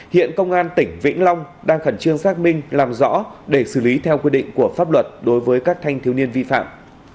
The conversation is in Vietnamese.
hiện công an tỉnh vĩnh long đang khẩn trương xác minh làm rõ để xử lý theo quy định của pháp luật đối với các thanh thiếu niên vi phạm